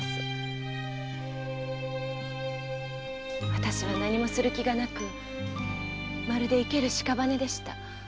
私は何もする気がなくまるで生ける屍でした。